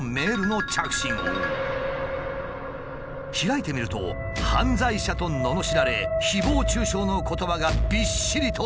開いてみると「犯罪者」とののしられ誹謗中傷の言葉がびっしりと並んでいた。